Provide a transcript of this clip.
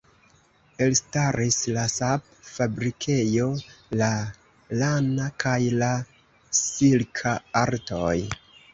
Elstaris la sap-fabrikejo, la lana kaj la silka artoj.